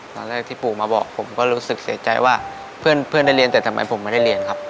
ตอนแรกที่ปู่มาบอกผมก็รู้สึกเสียใจว่าเพื่อนได้เรียนแต่ทำไมผมไม่ได้เรียนครับ